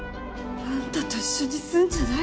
あんたと一緒にすんじゃないわよ。